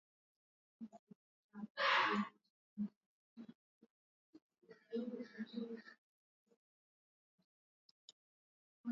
Ishirini na tisa nchini Kenya, tatu.